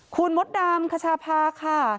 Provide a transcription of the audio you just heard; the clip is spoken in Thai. คุณมดดำคชาพาค่ะ